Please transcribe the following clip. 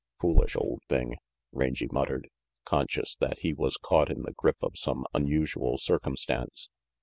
"Foolish old thing," Rangy muttered, conscious that he was caught in the grip of some unusual cir cumstance.